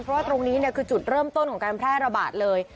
เพราะว่าตรงนี้คือจุดเริ่มต้นของการแพร่ระบาดเลย